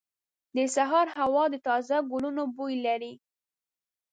• د سهار هوا د تازه ګلونو بوی لري.